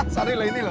sorry lah ini loh